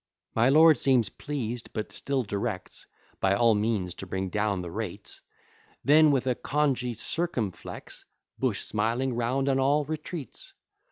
My lord seems pleased, but still directs By all means to bring down the rates; Then, with a congee circumflex, Bush, smiling round on all, retreats.